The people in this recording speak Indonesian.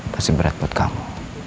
pasti berat buat kamu